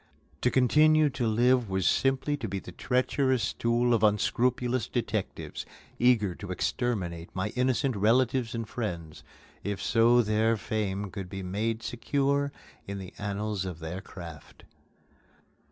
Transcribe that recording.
To continue to live was simply to be the treacherous tool of unscrupulous detectives, eager to exterminate my innocent relatives and friends, if so their fame could be made secure in the annals of their craft.